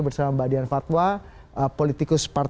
bersama mbak dian fatwa